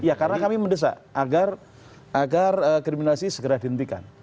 ya karena kami mendesak agar kriminasi segera dihentikan